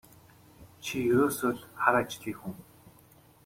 Чи ерөөсөө л хар ажлын хүн.